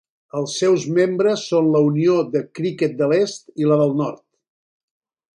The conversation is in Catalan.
Els seus membres són la unió de criquet de l'est i la del nord.